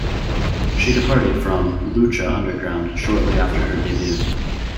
She departed from "Lucha Underground" shortly after her debut.